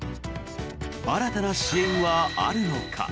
新たな支援はあるのか。